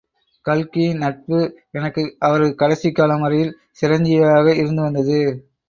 கல்கியின் நட்பு எனக்கு அவரது கடைசிக்காலம் வரையில் சிரஞ்சீவியாக இருந்து வந்தது.